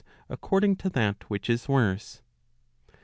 according to that which is worse.